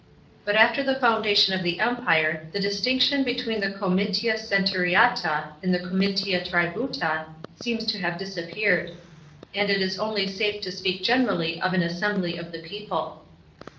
But after the foundation of the Empire the distinction between the comitia centuriata and the comitia tributa seems to have disappeared ; and it is only safe to speak generally of " an assembly of the people."